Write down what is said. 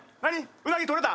うなぎとれた？